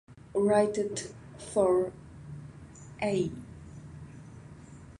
Writing for E!